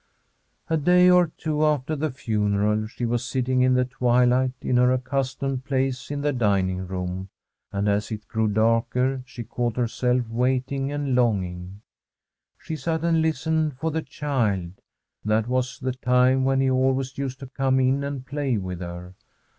A day or two after the funeral she was sitting in the twilight in her accustomed place in the dining room, and as it grew darker she caught herself waiting and longing. She sat and listened for the child ; that was the time when he always used to come in and play with her.